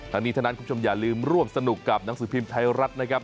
ทั้งนี้ทั้งนั้นคุณผู้ชมอย่าลืมร่วมสนุกกับหนังสือพิมพ์ไทยรัฐนะครับ